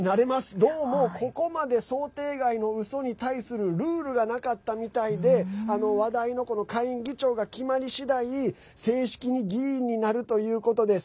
どうも、ここまで想定外のうそに対するルールがなかったみたいで話題の下院議長が決まり次第正式に議員になるということです。